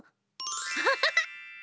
アハハハ